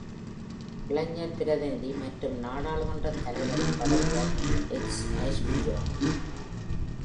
இளைஞர் பிரதிநிதி மற்றும் நாடாளுமன்றத் தலைவரின் பதவிகள் "எக்ஸ் அஃபிஷியோ".